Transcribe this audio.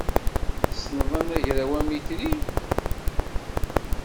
Tessneḍ anagraw amitri?